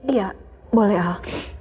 iya boleh al